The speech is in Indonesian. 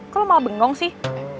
kok lo malah bengong sih